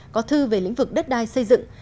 có thư về lĩnh vực đất đai xây dựng